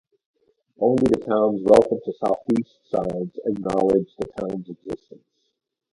Only the town's "Welcome to Southeast" signs acknowledge the town's existence.